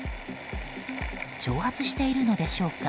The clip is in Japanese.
挑発しているのでしょうか。